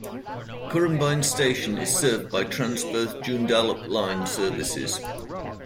Currambine station is served by Transperth Joondalup line services.